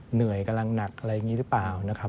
เหนื่อยกำลังหนักอะไรอย่างนี้หรือเปล่านะครับ